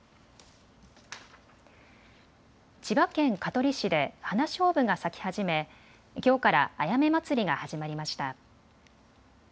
千葉県香取市でハナショウブが咲き始めきょうからあやめ祭りが始まりました。